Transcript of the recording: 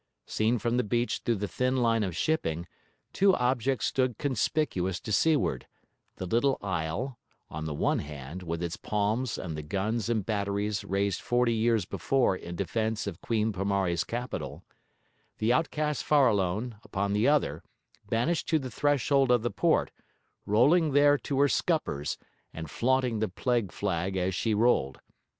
Seen from the beach through the thin line of shipping, two objects stood conspicuous to seaward: the little isle, on the one hand, with its palms and the guns and batteries raised forty years before in defence of Queen Pomare's capital; the outcast Farallone, upon the other, banished to the threshold of the port, rolling there to her scuppers, and flaunting the plague flag as she rolled.